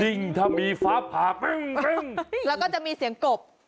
ถ้ามีฟ้าผ่าปึ้งแล้วก็จะมีเสียงกบ